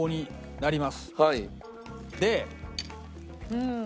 うん！